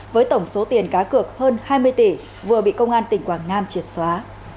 với tổng số tiền cá cược hơn hai mươi tỷ vừa bị công an tỉnh quảng nam triệt xóa